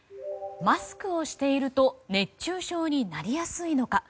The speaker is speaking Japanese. マスクをしていると熱中症になりやすいのか。